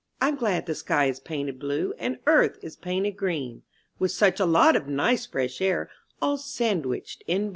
T'M glad the sky is painted blue, •* And earth is painted green. With such a lot of nice fresh air All sandwiched in between.